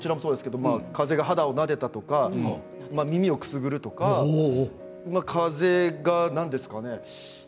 風が肌をなでたとか耳をくすぐるとか風が、何ですかね